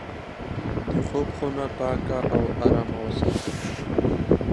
د خوب خونه پاکه او ارامه وساتئ.